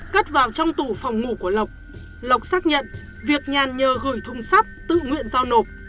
cất vào trong tủ phòng ngủ của lộc lộc xác nhận việc nhàn nhờ gửi thùng sắt tự nguyện giao nộp